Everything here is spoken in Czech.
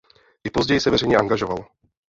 I později se veřejně angažoval.